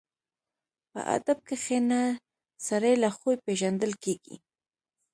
په ادب کښېنه، سړی له خوی پېژندل کېږي.